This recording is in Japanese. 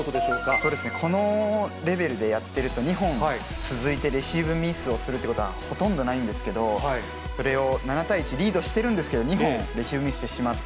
そうですね、このレベルでやってると、２本続いてレシーブミスをするということは、ほとんどないんですけど、それを７対１、リードしてるんですけれども、２本、レシーブでミスしてしまって、